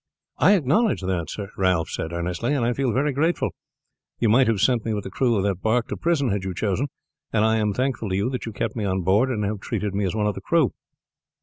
"I acknowledge that, sir," Ralph said earnestly; "and I feel very grateful. You might have sent me with the crew of that bark to prison had you chosen, and I am thankful to you that you kept me on board and have treated me as one of the crew."